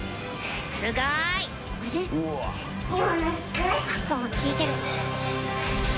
すごい。聞いてる。